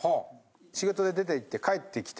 仕事で出て行って帰ってきて。